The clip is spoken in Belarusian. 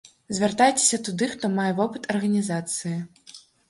Звяртайцеся туды, хто мае вопыт арганізацыі.